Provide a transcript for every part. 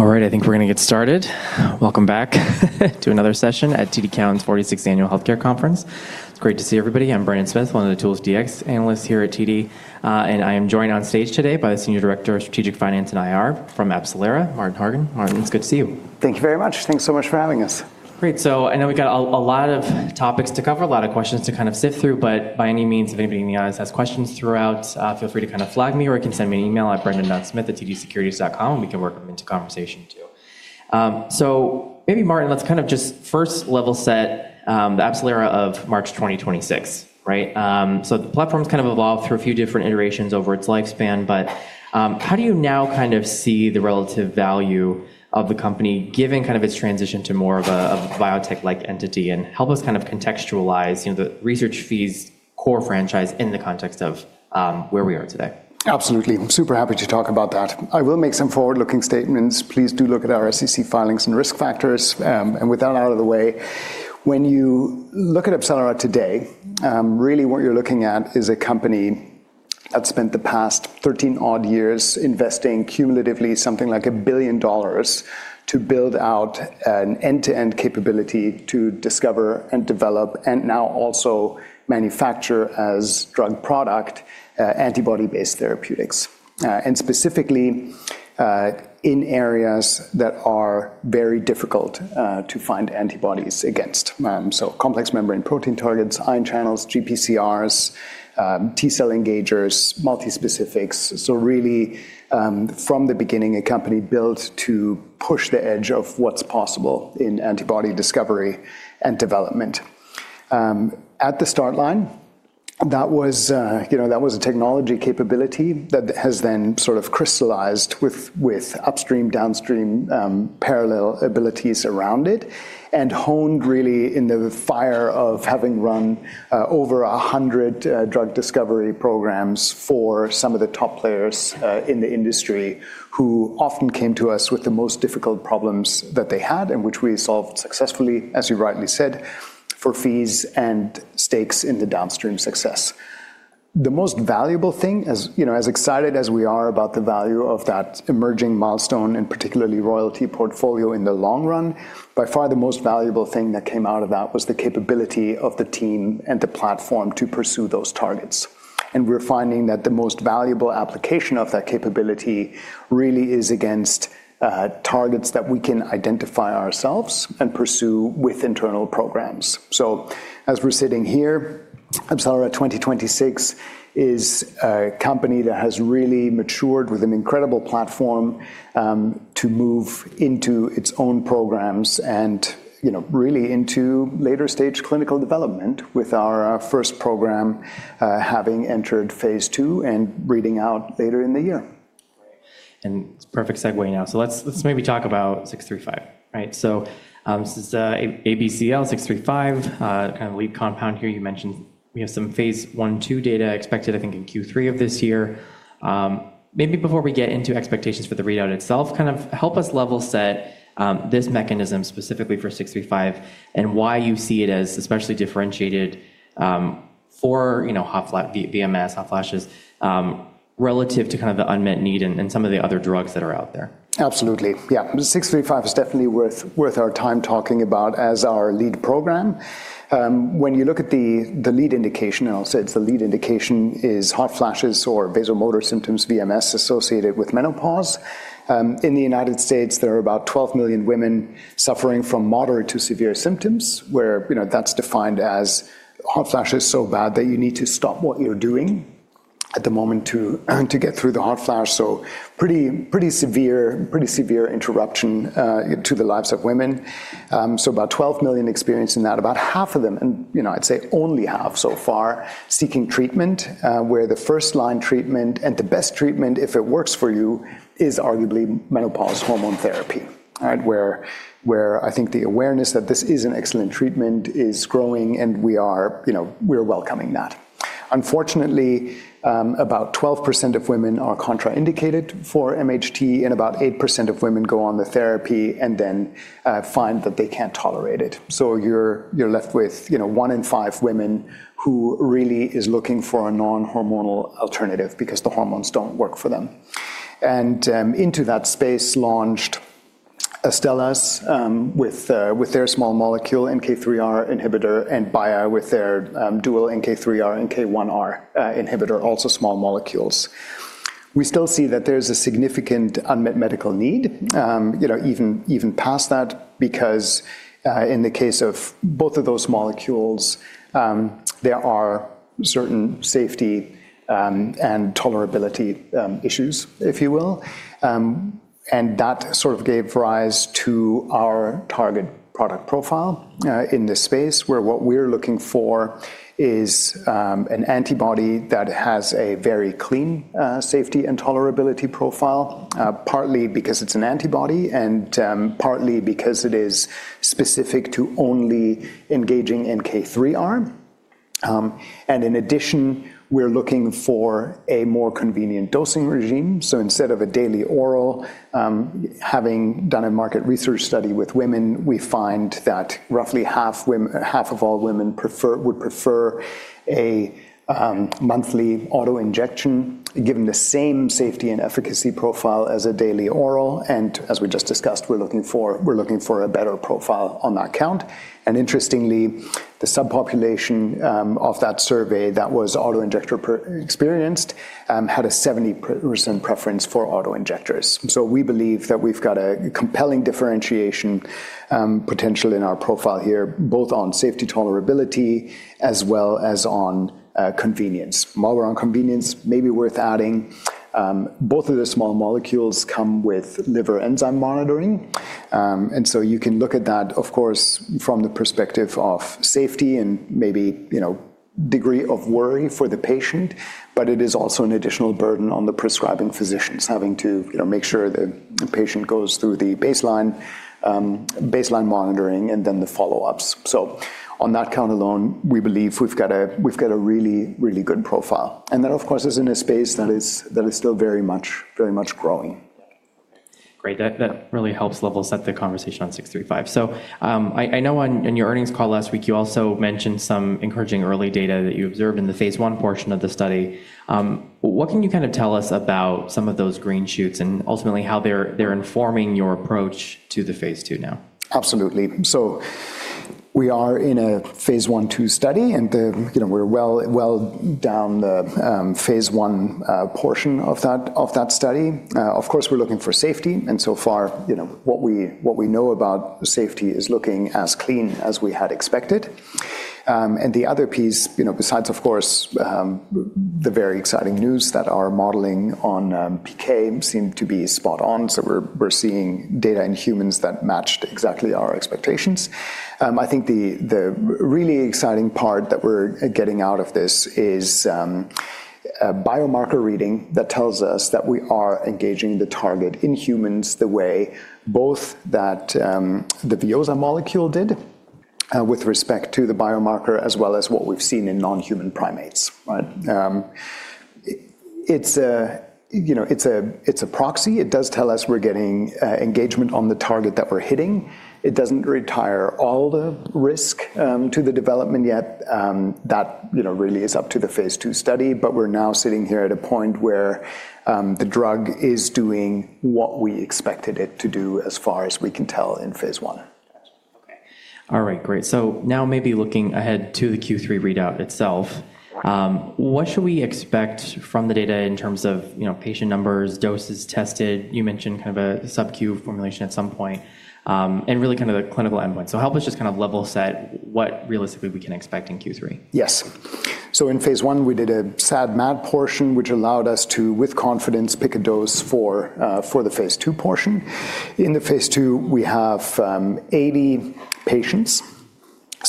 All right, I think we're gonna get started. Welcome back to another session at TD Cowen's 46th Annual Health Care Conference. It's great to see everybody. I'm Brendan Smith, one of the tools DX analysts here at TD, and I am joined on stage today by the Senior Director of Strategic Finance and IR from AbCellera, Martin Hogan. Martin, it's good to see you. Thank you very much. Thanks so much for having us. Great. I know we got a lot of topics to cover, a lot of questions to kind of sift through, but by any means, if anybody in the audience has questions throughout, feel free to kinda flag me or you can send me an email at brandon.smith@tdsecurities.com and we can work them into conversation too. Maybe Martin, let's kind of just first level set, the AbCellera of March 2026, right? The platform's kind of evolved through a few different iterations over its lifespan, but how do you now kind of see the relative value of the company given kind of its transition to more of a, of a biotech-like entity? Help us kind of contextualize, you know, the research fees core franchise in the context of where we are today. Absolutely. I'm super happy to talk about that. I will make some forward-looking statements. Please do look at our SEC filings and risk factors. With that out of the way, when you look at AbCellera today, really what you're looking at is a company that spent the past 13-odd years investing cumulatively something like $1 billion to build out an end-to-end capability to discover and develop, and now also manufacture as drug product, antibody-based therapeutics. Specifically, in areas that are very difficult to find antibodies against. Complex membrane protein targets, ion channels, GPCRs, T-cell engagers, multispecifics. Really, from the beginning, a company built to push the edge of what's possible in antibody discovery and development. At the start line, that was, you know, that was a technology capability that has then sort of crystallized with upstream, downstream, parallel abilities around it, and honed really in the fire of having run over 100 drug discovery programs for some of the top players in the industry who often came to us with the most difficult problems that they had and which we solved successfully, as you rightly said, for fees and stakes in the downstream success. The most valuable thing, as, you know, as excited as we are about the value of that emerging milestone, and particularly royalty portfolio in the long run, by far the most valuable thing that came out of that was the capability of the team and the platform to pursue those targets. We're finding that the most valuable application of that capability really is against targets that we can identify ourselves and pursue with internal programs. As we're sitting here, AbCellera 2026 is a company that has really matured with an incredible platform to move into its own programs and, you know, really into later stage clinical development with our first program having entered phase II and reading out later in the year. It's perfect segue now. Let's maybe talk about 635, right? This is ABCL635, kind of lead compound here. You mentioned we have some phase 1/2 data expected, I think, in Q3 of this year. Maybe before we get into expectations for the readout itself, kind of help us level set this mechanism specifically for 635 and why you see it as especially differentiated for, you know, VMS, hot flashes, relative to kind of the unmet need and some of the other drugs that are out there. Absolutely. Yeah. The ABCL635 is definitely worth our time talking about as our lead program. When you look at the lead indication, and I'll say it's the lead indication, is hot flashes or vasomotor symptoms, VMS, associated with menopause. In the United States, there are about 12 million women suffering from moderate to severe symptoms, where, you know, that's defined as hot flashes so bad that you need to stop what you're doing at the moment to get through the hot flash. Pretty severe interruption to the lives of women. About 12 million experiencing that. About half of them, and, you know, I'd say only half so far, seeking treatment, where the first-line treatment and the best treatment, if it works for you, is arguably menopause hormone therapy, right? Where I think the awareness that this is an excellent treatment is growing, and we are, you know, we're welcoming that. Unfortunately, about 12% of women are contraindicated for MHT, and about 8% of women go on the therapy and then find that they can't tolerate it. You're left with, you know, one in five women who really is looking for a non-hormonal alternative because the hormones don't work for them. Into that space launched Astellas, with their small molecule NK3R inhibitor and Bayer with their dual NK3R, NK1R inhibitor, also small molecules. We still see that there's a significant unmet medical need, you know, even past that because in the case of both of those molecules, there are certain safety and tolerability issues, if you will. That sort of gave rise to our target product profile in this space, where what we're looking for is an antibody that has a very clean safety and tolerability profile partly because it's an antibody and partly because it is specific to only engaging NK3R. In addition, we're looking for a more convenient dosing regime. Instead of a daily oral, having done a market research study with women, we find that roughly half of all women would prefer a monthly auto-injection given the same safety and efficacy profile as a daily oral. As we just discussed, we're looking for a better profile on that count. Interestingly, the subpopulation of that survey that was auto-injector experienced had a 70% preference for auto-injectors. We believe that we've got a compelling differentiation, potential in our profile here, both on safety tolerability as well as on convenience. While we're on convenience, maybe worth adding, both of the small molecules come with liver enzyme monitoring. You can look at that, of course, from the perspective of safety and maybe, you know, degree of worry for the patient, but it is also an additional burden on the prescribing physicians having to, you know, make sure the patient goes through the baseline monitoring and then the follow-ups. On that count alone, we believe we've got a really, really good profile. That, of course, is in a space that is still very much growing. Great. That really helps level set the conversation on 635. I know in your earnings call last week, you also mentioned some encouraging early data that you observed in the phase I portion of the study. What can you kinda tell us about some of those green shoots and ultimately how they're informing your approach to the phase II now? Absolutely. We are in a phase I/II study, and you know, we're well, well down the phase I portion of that study. Of course, we're looking for safety, and so far, you know, what we know about safety is looking as clean as we had expected. The other piece, you know, besides, of course, the very exciting news that our modeling on PK seemed to be spot on. We're seeing data in humans that matched exactly our expectations. I think the really exciting part that we're getting out of this is a biomarker reading that tells us that we are engaging the target in humans the way both that the Veozah molecule did with respect to the biomarker, as well as what we've seen in non-human primates, right? It's a, you know, it's a, it's a proxy. It does tell us we're getting engagement on the target that we're hitting. It doesn't retire all the risk to the development yet. That, you know, really is up to the phase II study. We're now sitting here at a point where the drug is doing what we expected it to do as far as we can tell in phase I. Okay. All right. Great. Now maybe looking ahead to the Q3 readout itself, what should we expect from the data in terms of, you know, patient numbers, doses tested? You mentioned kind of a sub-Q formulation at some point, and really kind of the clinical endpoint. Help us just kind of level set what realistically we can expect in Q3. Yes. In phase I, we did a SAD/MAD portion, which allowed us to, with confidence, pick a dose for the phase II portion. In the phase II, we have 80 patients.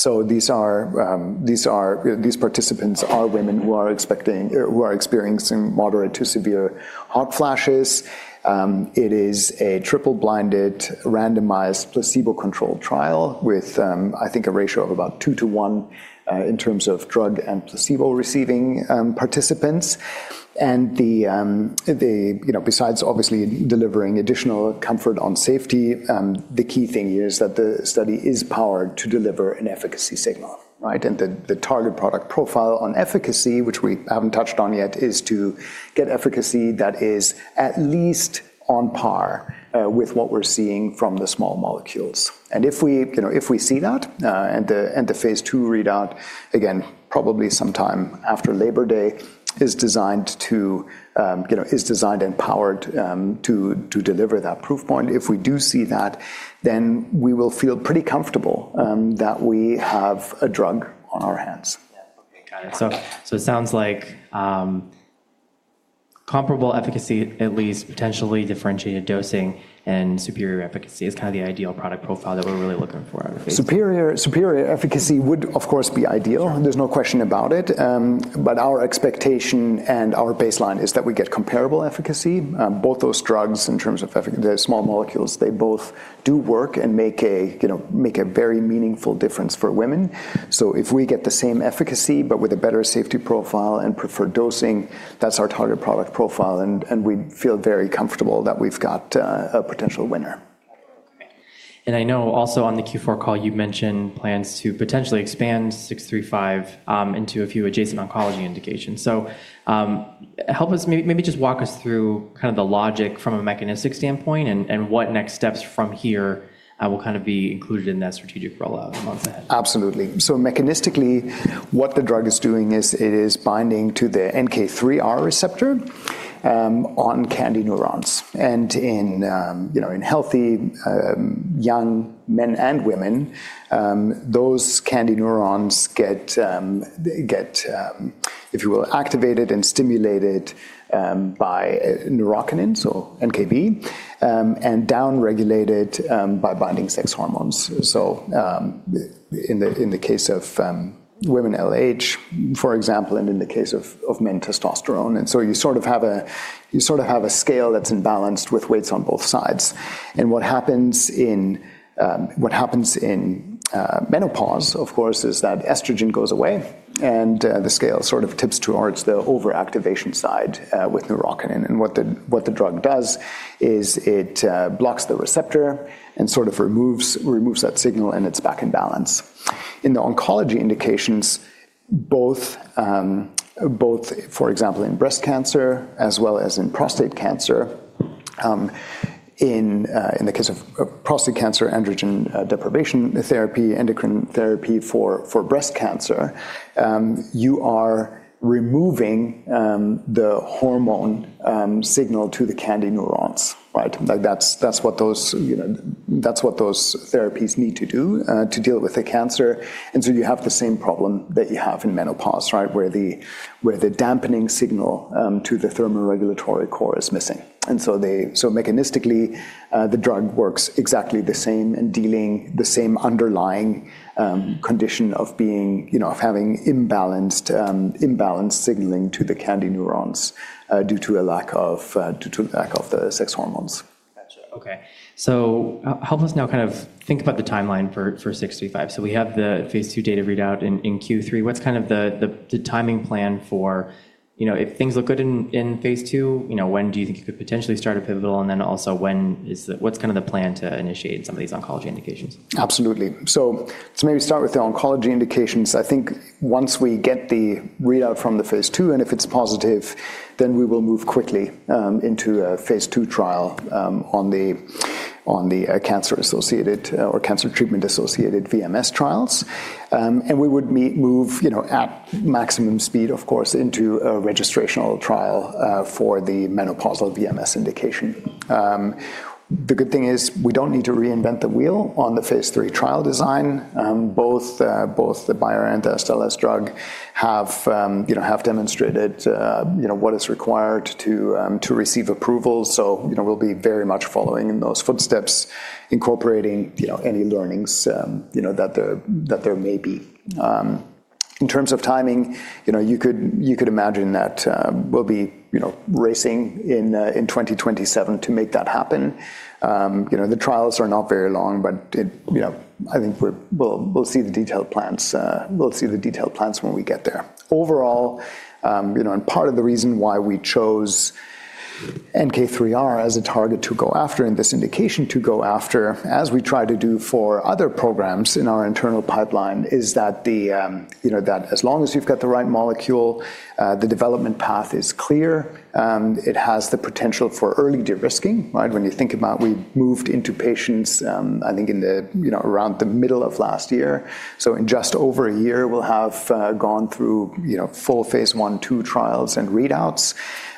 These participants are women who are experiencing moderate to severe hot flashes. It is a triple-blinded randomized placebo-controlled trial with, I think a ratio of about two to one in terms of drug and placebo-receiving participants. The You know, besides obviously delivering additional comfort on safety, the key thing here is that the study is powered to deliver an efficacy signal, right? The target product profile on efficacy, which we haven't touched on yet, is to get efficacy that is at least on par with what we're seeing from the small molecules. If we, you know, if we see that, and the, and the phase II readout, again, probably sometime after Labor Day, is designed to, you know, is designed and powered, to deliver that proof point. If we do see that, then we will feel pretty comfortable, that we have a drug on our hands. Yeah. Okay. Got it. It sounds like comparable efficacy, at least potentially differentiated dosing and superior efficacy is kind of the ideal product profile that we're really looking for out of phase II. Superior efficacy would of course be ideal. Sure. There's no question about it. Our expectation and our baseline is that we get comparable efficacy. Both those drugs in terms of the small molecules, they both do work and make a, you know, make a very meaningful difference for women. If we get the same efficacy but with a better safety profile and preferred dosing, that's our target product profile, and we feel very comfortable that we've got a potential winner. Okay. I know also on the Q4 call, you mentioned plans to potentially expand 635 into a few adjacent oncology indications. Help us maybe just walk us through kind of the logic from a mechanistic standpoint and what next steps from here will kind of be included in that strategic rollout going forward. Absolutely. Mechanistically, what the drug is doing is it is binding to the NK3R receptor on KNDy neurons. In, you know, in healthy, young men and women, those KNDy neurons get, they get, if you will, activated and stimulated by neurokinins or NKB, and down-regulated by binding sex hormones. In the case of women LH, for example, and in the case of men testosterone, you sort of have a scale that's imbalanced with weights on both sides. What happens in menopause, of course, is that estrogen goes away and the scale sort of tips towards the overactivation side with neurokinin. What the drug does is it blocks the receptor and sort of removes that signal, and it's back in balance. In the oncology indications, both, for example, in breast cancer as well as in prostate cancer. In the case of prostate cancer, androgen deprivation therapy, endocrine therapy for breast cancer, you are removing the hormone signal to the KNDy neurons, right? Like, that's what those, you know, that's what those therapies need to do to deal with the cancer. So you have the same problem that you have in menopause, right? Where the dampening signal to the thermoregulatory core is missing. Mechanistically, the drug works exactly the same in dealing the same underlying condition of being, you know, of having imbalanced signaling to the KNDy neurons, due to a lack of the sex hormones. Gotcha. Okay. Help us now kind of think about the timeline for 635. We have the phase II data readout in Q3. What's kind of the timing plan for, you know, if things look good in phase II, you know, when do you think you could potentially start a pivotal? What's kinda the plan to initiate some of these oncology indications? Absolutely. Maybe start with the oncology indications. I think once we get the readout from the phase II, and if it's positive, then we will move quickly into a phase II trial on the cancer-associated, or cancer treatment-associated VMS trials. We would move, you know, at maximum speed, of course, into a registrational trial for the menopausal VMS indication. The good thing is we don't need to reinvent the wheel on the phase III trial design. Both the Bayer and the Lilly's drug have, you know, have demonstrated, you know, what is required to receive approval. You know, we'll be very much following in those footsteps, incorporating, you know, any learnings, you know, that there may be. In terms of timing, you know, you could, you could imagine that we'll be, you know, racing in 2027 to make that happen. You know, the trials are not very long, but it, you know, I think we'll see the detailed plans. We'll see the detailed plans when we get there. Overall, you know, part of the reason why we chose NK3R as a target to go after and this indication to go after as we try to do for other programs in our internal pipeline, is that, you know, that as long as you've got the right molecule, the development path is clear. It has the potential for early de-risking, right? When you think about we moved into patients, I think in the, you know, around the middle of last year. In just over a year, we'll have gone through, you know, full phase I, II trials and readouts.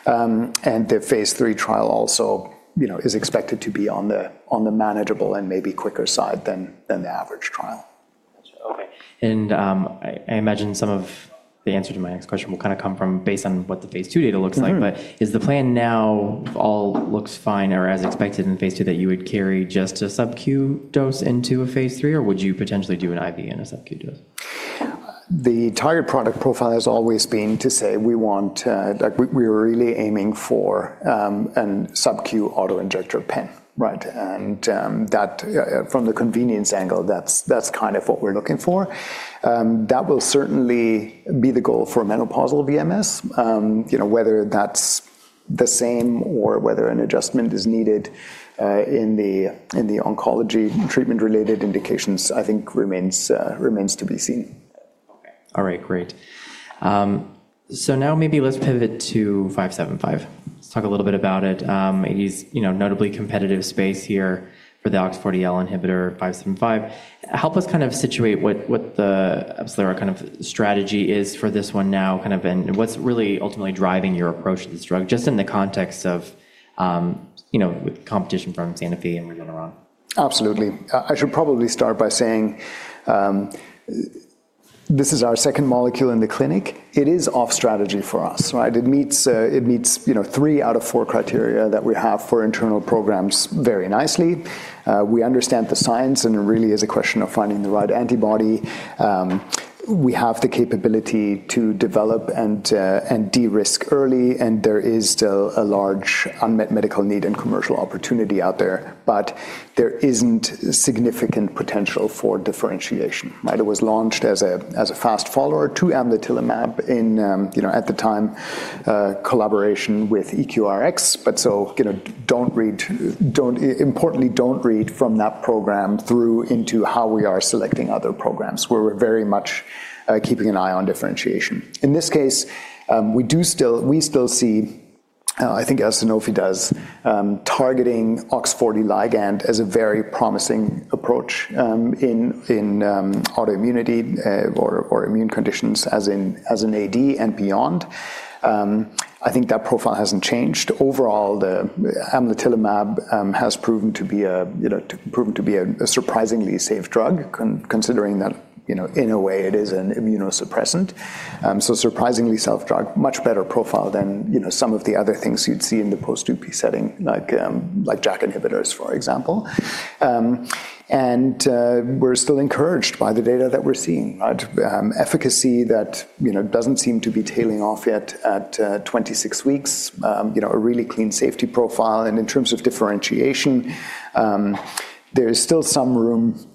The phase III trial also, you know, is expected to be on the manageable and maybe quicker side than the average trial. Gotcha. Okay. I imagine some of the answer to my next question will kinda come from based on what the phase II data looks like. Mm-hmm. Is the plan now if all looks fine or as expected in phase II, that you would carry just a SubQ dose into a phase III? Would you potentially do an IV and a SubQ dose? The target product profile has always been to say we want, like we're really aiming for an SubQ auto-injector pen, right? From the convenience angle, that's kind of what we're looking for. That will certainly be the goal for menopausal VMS. You know, whether that's the same or whether an adjustment is needed in the oncology treatment-related indications, I think remains to be seen. Okay. All right. Great. Now maybe let's pivot to 575. Let's talk a little bit about it. It is, you know, notably competitive space here for the OX40L inhibitor 575. Help us kind of situate what the AbCellera kind of strategy is for this one now kind of, and what's really ultimately driving your approach to this drug, just in the context of, you know, with competition from Sanofi and Regeneron. Absolutely. I should probably start by saying, this is our second molecule in the clinic. It is off strategy for us, right? It meets, you know, three out of four criteria that we have for internal programs very nicely. We understand the science, it really is a question of finding the right antibody. We have the capability to develop and de-risk early, there is still a large unmet medical need and commercial opportunity out there. There isn't significant potential for differentiation, right? It was launched as a fast follower to amlitelimab in, you know, at the time, collaboration with EQRx. You know, importantly, don't read from that program through into how we are selecting other programs, where we're very much keeping an eye on differentiation. In this case, we still see, I think as Sanofi does, targeting OX40 ligand as a very promising approach in autoimmunity, or immune conditions as in AD and beyond. I think that profile hasn't changed. Overall, the amlitelimab has proven to be a, you know, proven to be a surprisingly safe drug considering that, you know, in a way it is an immunosuppressant. So surprisingly safe drug, much better profile than, you know, some of the other things you'd see in the post-Dupixent setting like JAK inhibitors, for example. And we're still encouraged by the data that we're seeing, right? Efficacy that, you know, doesn't seem to be tailing off yet at 26 weeks. You know, a really clean safety profile. In terms of differentiation, there is still some room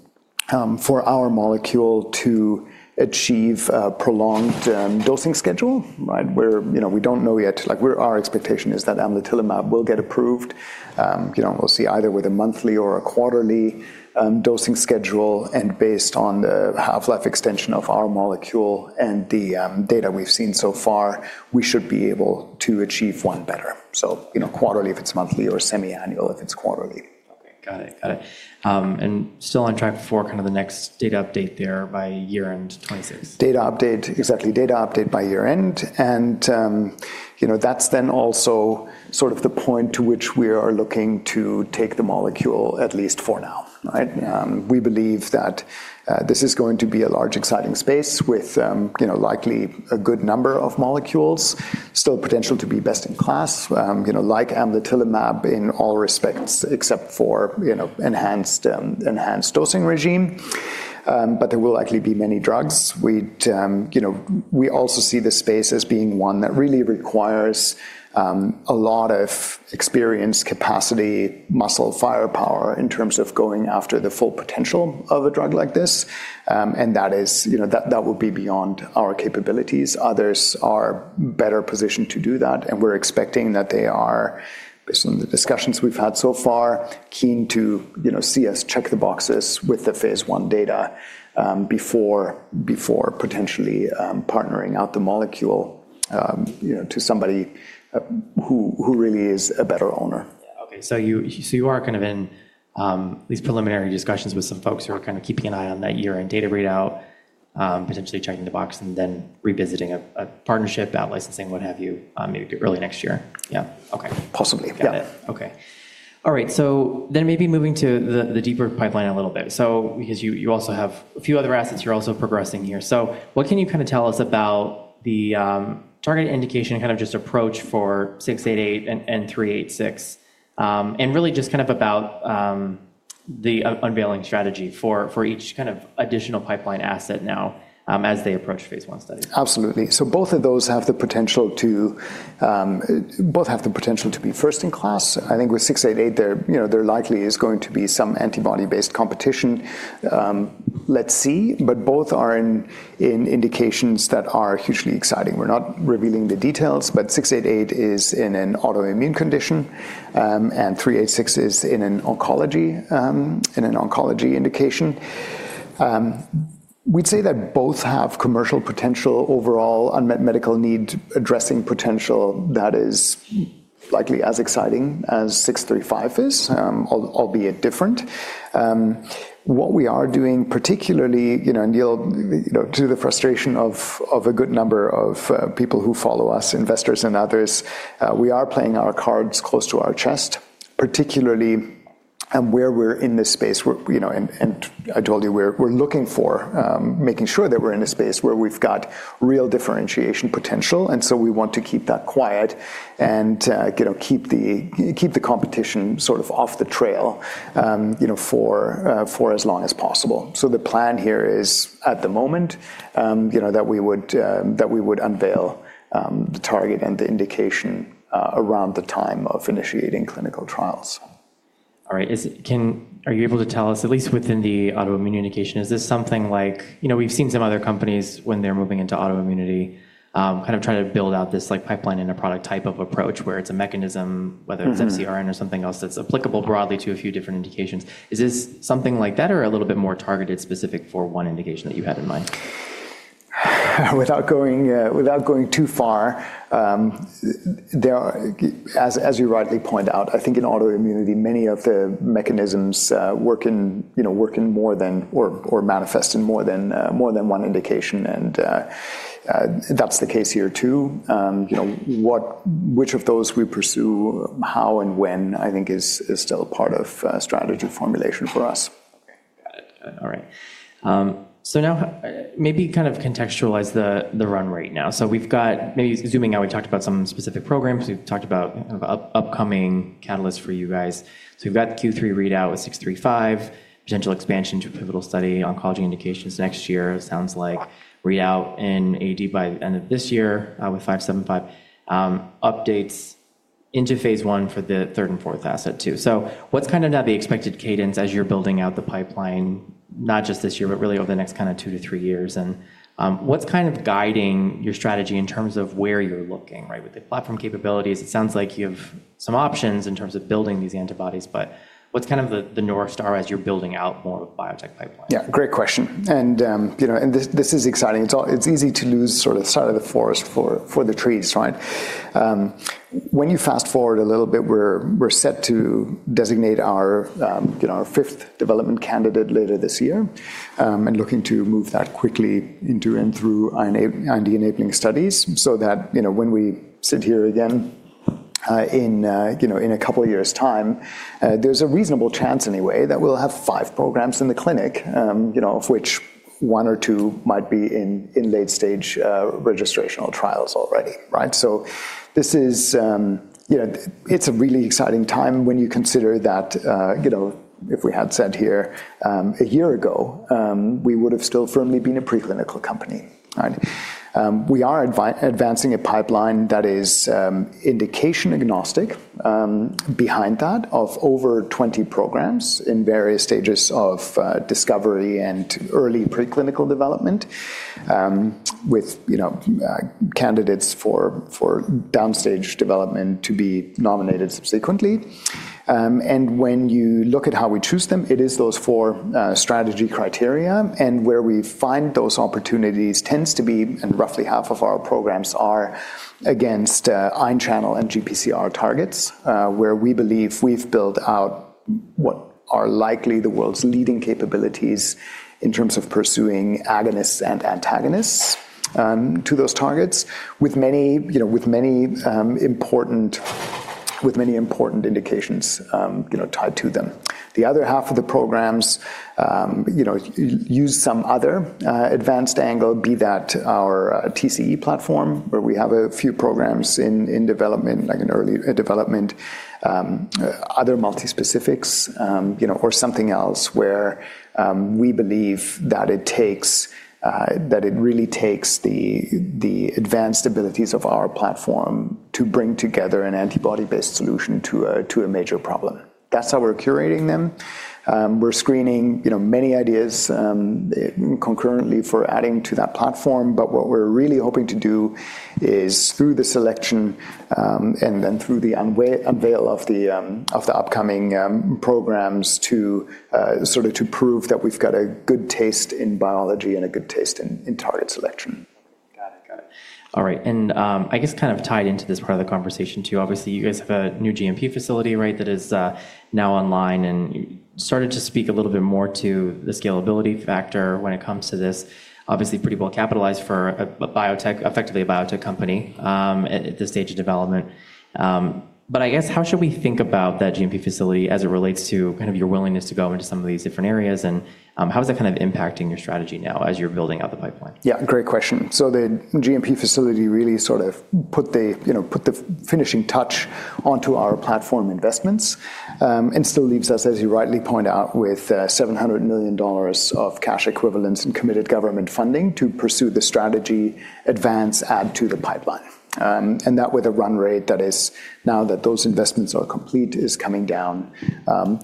for our molecule to achieve prolonged dosing schedule, right? Where, you know, we don't know yet. Like, our expectation is that amlitelimab will get approved. you know, we'll see either with a monthly or a quarterly dosing schedule, and based on the half-life extension of our molecule and the data we've seen so far, we should be able to achieve one better. you know, quarterly if it's monthly or semi-annual if it's quarterly. Okay. Got it. Got it. Still on track for kind of the next data update there by year-end 2026. Data update. Exactly. Data update by year-end. You know, that's then also sort of the point to which we are looking to take the molecule, at least for now, right? We believe that this is going to be a large exciting space with, you know, likely a good number of molecules, still potential to be best in class, you know, like in all respects except for, you know, enhanced dosing regime. There will likely be many drugs. We'd, you know, we also see this space as being one that really requires a lot of experience, capacity, muscle firepower in terms of going after the full potential of a drug like this. That is, you know, that will be beyond our capabilities. Others are better positioned to do that, and we're expecting that they are, based on the discussions we've had so far, keen to, you know, see us check the boxes with the phase I data, before potentially partnering out the molecule, you know, to somebody who really is a better owner. Yeah. Okay. You are kind of in these preliminary discussions with some folks who are kind of keeping an eye on that year-end data readout, potentially checking the box and then revisiting a partnership, out licensing, what have you, maybe early next year. Yeah. Okay. Possibly. Yeah. Got it. Okay. All right. Maybe moving to the deeper pipeline a little bit. Because you also have a few other assets you're also progressing here. What can you kinda tell us about the target indication, kind of just approach for ABCL688 and ABCL386, and really just kind of about the unveiling strategy for each kind of additional pipeline asset now, as they approach phase I studies? Absolutely. Both of those have the potential to, both have the potential to be first in class. I think with 688, there, you know, there likely is going to be some antibody-based competition. Let's see. Both are in indications that are hugely exciting. We're not revealing the details, but 688 is in an autoimmune condition, and 386 is in an oncology indication. We'd say that both have commercial potential, overall unmet medical need addressing potential that is likely as exciting as 635 is, albeit different. What we are doing particularly, you know, and you'll, you know, to the frustration of a good number of people who follow us, investors and others, we are playing our cards close to our chest, particularly, where we're in this space where, you know, and I told you, we're looking for making sure that we're in a space where we've got real differentiation potential. We want to keep that quiet and, you know, keep the competition sort of off the trail, you know, for as long as possible. The plan here is, at the moment, you know, that we would that we would unveil the target and the indication around the time of initiating clinical trials. All right. Are you able to tell us, at least within the autoimmunity indication, is this something like, you know, we've seen some other companies when they're moving into autoimmunity, kind of try to build out this, like, pipeline-in-a-product type of approach where it's a mechanism? Mm-hmm. whether it's FcRn or something else that's applicable broadly to a few different indications, is this something like that or a little bit more targeted specific for one indication that you had in mind? Without going, without going too far, As you rightly point out, I think in autoimmunity, many of the mechanisms work in, you know, work in more than or manifest in more than one indication and that's the case here too. You know, which of those we pursue, how and when, I think is still part of strategy formulation for us. Okay. Got it. All right. Now maybe kind of contextualize the run rate now. We've got Maybe zooming out, we've talked about some specific programs. We've talked about upcoming catalysts for you guys. We've got Q3 readout with ABCL635, potential expansion to a pivotal study, oncology indications next year, it sounds like. Readout in AD by end of this year with ABCL575. Updates into phase I for the third and fourth asset too. What's kinda now the expected cadence as you're building out the pipeline, not just this year, but really over the next kinda two-three years? What's kind of guiding your strategy in terms of where you're looking, right? With the platform capabilities, it sounds like you have some options in terms of building these antibodies, but what's kind of the North Star as you're building out more of a biotech pipeline? Yeah, great question. You know, this is exciting. It's easy to lose sort of sight of the forest for the trees, right? When you fast-forward a little bit, we're set to designate our, you know, our fifth development candidate later this year, looking to move that quickly into and through IND-enabling studies so that, you know, when we sit here again, in, you know, in a couple years' time, there's a reasonable chance anyway that we'll have five programs in the clinic, you know, of which one or two might be in late-stage, registrational trials already, right? This is, you know. It's a really exciting time when you consider that, you know, if we had said here a year ago, we would have still firmly been a preclinical company, right? We are advancing a pipeline that is indication agnostic, behind that of over 20 programs in various stages of discovery and early preclinical development, with, you know, candidates for downstage development to be nominated subsequently. When you look at how we choose them, it is those four strategy criteria. Where we find those opportunities tends to be, and roughly half of our programs are against ion channel and GPCR targets, where we believe we've built out what are likely the world's leading capabilities in terms of pursuing agonists and antagonists to those targets with many important indications, you know, tied to them. The other half of the programs, you know, use some other advanced angle, be that our TCE platform, where we have a few programs in development, like an early development, other multispecifics, you know, or something else where we believe that it really takes the advanced abilities of our platform to bring together an antibody-based solution to a major problem. That's how we're curating them. We're screening, you know, many ideas, concurrently for adding to that platform. What we're really hoping to do is through the selection, and then through the unveil of the upcoming programs to sort of to prove that we've got a good taste in biology and a good taste in target selection. Got it. All right. I guess kind of tied into this part of the conversation too, obviously you guys have a new GMP facility, right? That is now online and you started to speak a little bit more to the scalability factor when it comes to this. Obviously pretty well capitalized for effectively a biotech company at this stage of development. I guess how should we think about that GMP facility as it relates to kind of your willingness to go into some of these different areas and how is that kind of impacting your strategy now as you're building out the pipeline? Yeah, great question. The GMP facility really sort of put the, you know, put the finishing touch onto our platform investments, and still leaves us, as you rightly point out, with $700 million of cash equivalents and committed government funding to pursue the strategy advance add to the pipeline. And that with a run rate that is now that those investments are complete is coming down,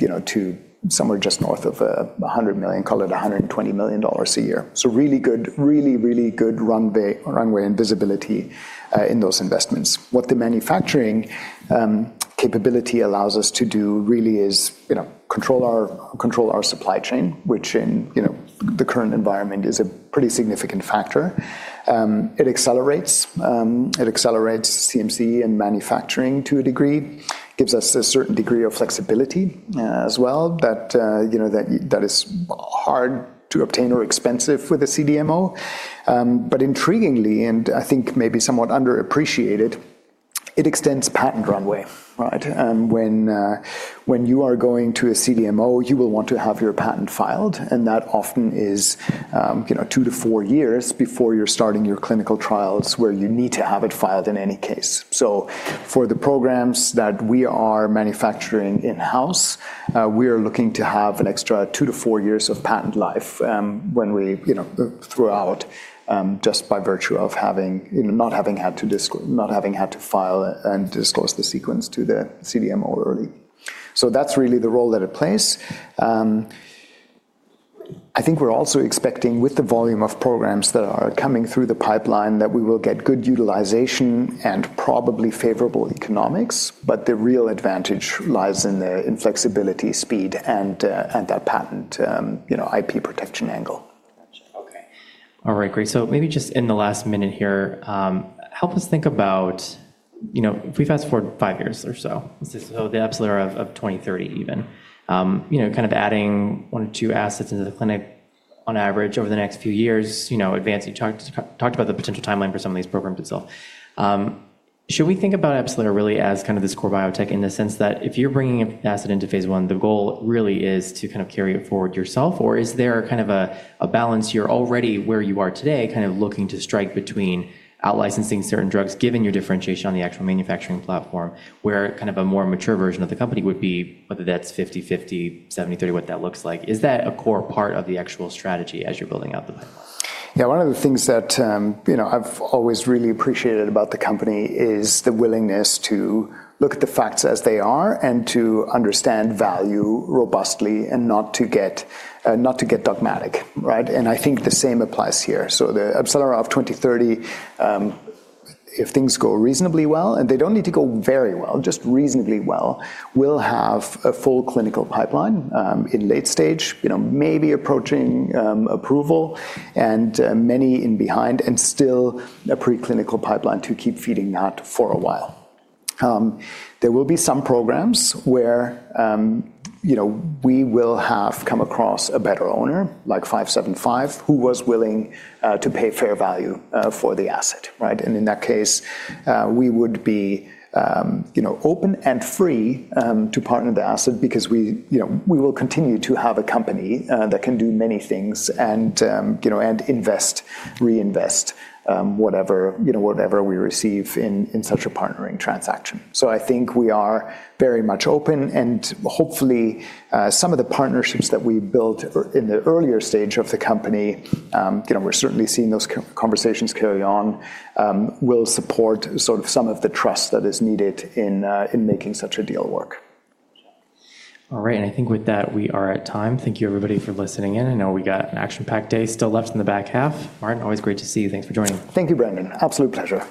you know, to somewhere just north of $100 million, call it $120 million a year. So really good, really good runway and visibility in those investments. What the manufacturing capability allows us to do really is, you know, control our supply chain, which in, you know, the current environment is a pretty significant factor. It accelerates CMC and manufacturing to a degree, gives us a certain degree of flexibility as well that, you know, that is hard to obtain or expensive with a CDMO. Intriguingly, and I think maybe somewhat underappreciated, it extends patent runway, right? When you are going to a CDMO, you will want to have your patent filed, and that often is, you know, two-four years before you're starting your clinical trials where you need to have it filed in any case. For the programs that we are manufacturing in-house, we are looking to have an extra two-four years of patent life, when we, you know, throw out, just by virtue of having, you know, not having had to file and disclose the sequence to the CDMO early. That's really the role that it plays. I think we're also expecting with the volume of programs that are coming through the pipeline, that we will get good utilization and probably favorable economics. The real advantage lies in flexibility, speed and that patent, you know, IP protection angle. Gotcha. Okay. All right. Great. Maybe just in the last minute here, help us think about, you know, if we fast forward five years or so, let's just say the AbCellera of 2030 even, you know, kind of adding 1 or 2 assets into the clinic on average over the next few years, you know, advancing talked about the potential timeline for some of these programs itself. Should we think about AbCellera really as kind of this core biotech in the sense that if you're bringing an asset into phase I, the goal really is to kind of carry it forward yourself? Is there kind of a balance you're already where you are today, kind of looking to strike between out-licensing certain drugs, given your differentiation on the actual manufacturing platform, where kind of a more mature version of the company would be, whether that's 50/50, 70/30, what that looks like. Is that a core part of the actual strategy as you're building out the plan? Yeah. One of the things that, you know, I've always really appreciated about the company is the willingness to look at the facts as they are and to understand value robustly and not to get, not to get dogmatic, right? Right. I think the same applies here. The AbCellera of 2030, if things go reasonably well, and they don't need to go very well, just reasonably well, we'll have a full clinical pipeline, in late stage, you know, maybe approaching approval and many in behind and still a preclinical pipeline to keep feeding that for a while. There will be some programs where, you know, we will have come across a better owner, like ABCL575, who was willing to pay fair value for the asset, right? In that case, we would be, you know, open and free to partner the asset because we, you know, we will continue to have a company that can do many things and, you know, and invest, reinvest, whatever, you know, whatever we receive in such a partnering transaction. I think we are very much open and hopefully, some of the partnerships that we built in the earlier stage of the company, you know, we're certainly seeing those conversations carry on, will support sort of some of the trust that is needed in making such a deal work. Right. I think with that, we are at time. Thank you everybody for listening in. I know we got an action-packed day still left in the back half. Martin, always great to see you. Thanks for joining. Thank you, Brandon. Absolute pleasure.